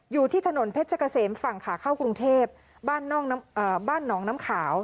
อยู่ที่ถนนเพชรเกษมฝั่งขาเข้ากรุงเทพบ้านหนองน้ำขาว